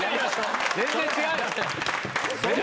全然違う。